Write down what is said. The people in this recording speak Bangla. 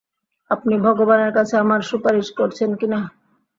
আপনি ভগবানের কাছে আমার সুপারিশ করছেন কি না?